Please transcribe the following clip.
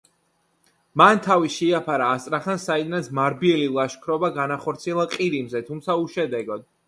მან თავი შეაფარა ასტრახანს, საიდანაც მარბიელი ლაშქრობა განახორციელა ყირიმზე, თუმცა უშედეგოდ.